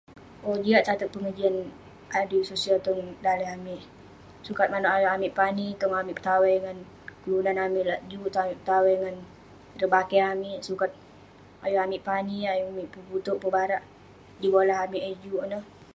Owk..jiak tateg pengejian adui sosial tong daleh amik, sukat manouk ayuk amik pani tong amik petawai ngan kelunan amik lak juk, tong amik petawai ngan ireh bakeh amik, sukat ayuk amik pani, ayuk amik peputouk pebarak..jin bolah amik eh juk ineh..